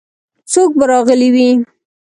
څوک به راغلي وي؟